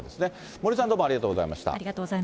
森さん、どうもありがとうございました。